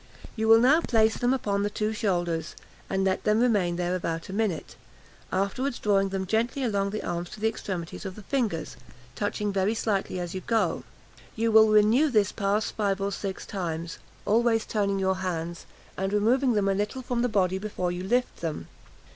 You will now place them upon the two shoulders, and let them remain there about a minute; afterwards drawing them gently along the arms to the extremities of the fingers, touching very slightly as you go. You will renew this pass five or six times, always turning your hands, and removing them a little from the body before you lift them.